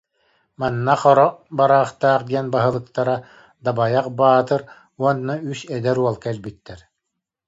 Манна Хоро Бараахтаах диэн баһылыктара, Дабайах Баатыр уонна үс эдэр уол кэлбиттэр